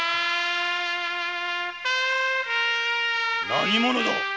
何者だ？